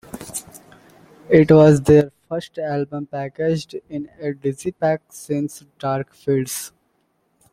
It was their first album packaged in a digipak since "Dark Fields".